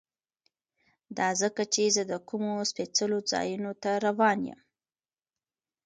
دا ځکه چې زه د کومو سپېڅلو ځایونو ته روان یم.